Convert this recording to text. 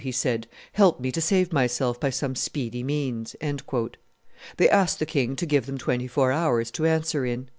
he said; "help me to save myself by some speedy means." They asked the king to give them twenty four hours to answer in.